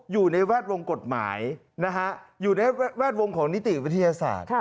อยู่ในแวดวงกฎหมายนะฮะอยู่ในแวดวงของนิติวิทยาศาสตร์